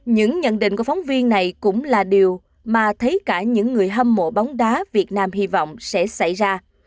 những nhận định của phóng viên này cũng là điều mà thấy cả những người hâm mộ bóng đá việt nam hy vọng sẽ xảy ra